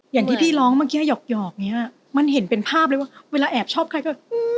อย่างที่พี่ร้องเมื่อกี้หยอกอย่างนี้มันเห็นเป็นภาพเลยว่าเวลาแอบชอบใครก็